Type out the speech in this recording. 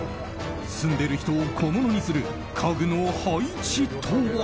住んでいる人を小物にする家具の配置とは？